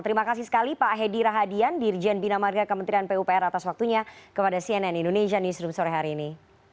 terima kasih sekali pak hedi rahadian dirjen bina marga kementerian pupr atas waktunya kepada cnn indonesia newsroom sore hari ini